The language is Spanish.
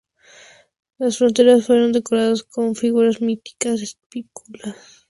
Los frontones fueron decorados con figuras míticas, esculpidas en alto relieve.